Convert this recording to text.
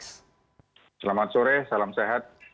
selamat sore salam sehat